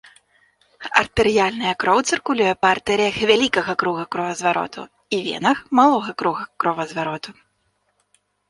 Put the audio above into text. Артэрыяльная кроў цыркулюе па артэрыях вялікага круга кровазвароту і венах малога круга кровазвароту.